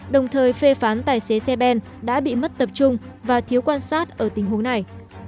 đồng thời phê phán tài xế xe ben đã bị mất tập trung và thiếu quan sát ở tình huống này